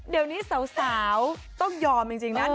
เดี๋ยวนี้สาวต้องยอมจริงนะ